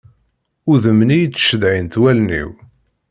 Udem-nni i ttcedhin-t wallen-iw.